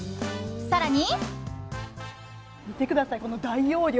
更に。